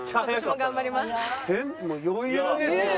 もう余裕ですよ。